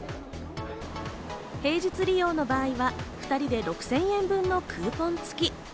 平日利用の場合は２人で６０００円分のクーポンつき。